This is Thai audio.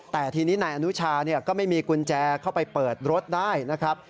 แต่ทีนี้นายอนุชาก็ไม่มีกุญแจเข้าไปเปิดรถได้นะครับ